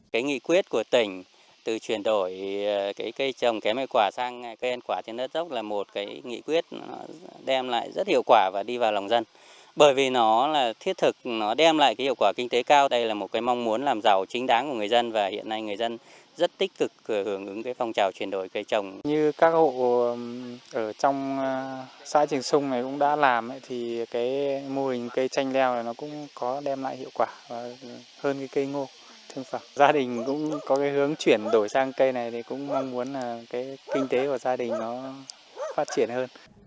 các hộ ở trong xã trường xung cũng đã làm mô hình cây tranh leo cũng có đem lại hiệu quả hơn cây ngô gia đình cũng có hướng chuyển đổi sang cây này cũng mong muốn kinh tế của gia đình phát triển hơn